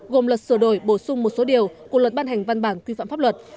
gồm luật sửa đổi bổ sung một số điều của luật ban hành văn bản quy phạm pháp luật